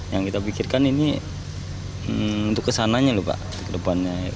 yang kita pikirkan ini untuk kesananya lho pak kedepannya